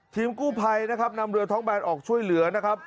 ทีมกู้ภัยนะครับนำเรือท้องแบนออกช่วยเหลือนะครับ